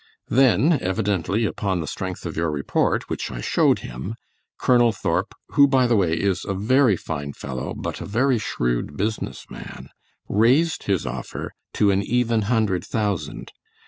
Then evidently upon the strength of your report, which I showed him, Colonel Thorp, who by the way is a very fine fellow, but a very shrewd business man, raised his offer to an even hundred thousand.